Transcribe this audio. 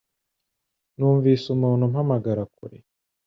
Numvise umuntu umpamagara kure.